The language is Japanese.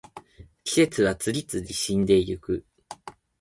季節は次々死んでいく